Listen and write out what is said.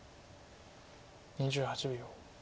２８秒。